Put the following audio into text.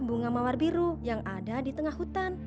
bunga mawar biru yang ada di tengah hutan